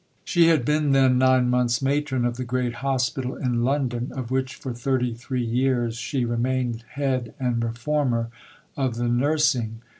She had been then nine months matron of the great hospital in London, of which for 33 years she remained head and reformer of the nursing.